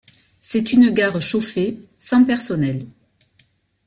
C'est une gare chauffée, sans personnel.